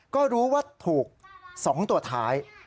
ก็รู้ว่าถูก๒ตัวท้าย